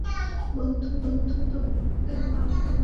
বন্ধু, আমাকে পারলে মাফ করে দিয়ো!